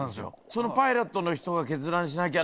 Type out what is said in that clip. そのパイロットの人が決断しなきゃ